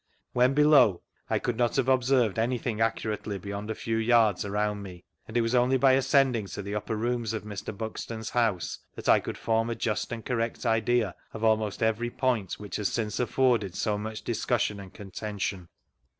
When below, I could not have observed anything accurately beyond a few yards around me, and it was only by ascending to the upper rooms of Mr. Buxton's house that I could form a just and correct idea of almost every point which has since afforded so much discussion and con tention.